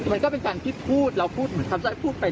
มันก็เป็นการคิดพูดเราพูดเหมือนทำได้พูดไป